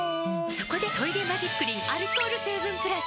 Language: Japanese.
そこで「トイレマジックリン」アルコール成分プラス！